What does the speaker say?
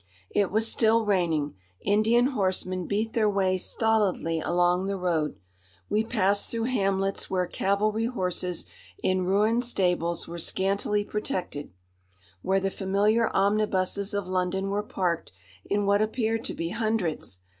It was still raining. Indian horsemen beat their way stolidly along the road. We passed through hamlets where cavalry horses in ruined stables were scantily protected, where the familiar omnibuses of London were parked in what appeared to be hundreds.